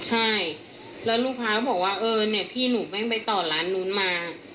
ใช่แล้วลูกค้าก็บอกว่าเออเนี่ยพี่หนูแม่งไปต่อร้านนู้นมา